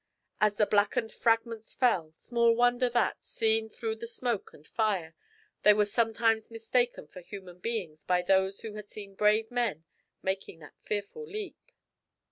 As the blackened fragments fell, small wonder that, seen through the smoke and fire, they were sometimes mistaken for human beings by those who had seen brave men making that fearful leap.